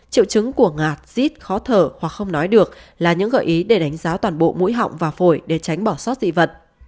triệu chứng của ngạt zít khó thở hoặc không nói được là những gợi ý để đánh giá toàn bộ mũi họng và phổi để tránh bỏ sót dị vật